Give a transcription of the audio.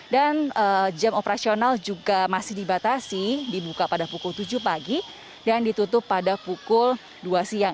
dan jam operasional juga masih dibatasi dibuka pada pukul tujuh pagi dan ditutup pada pukul dua siang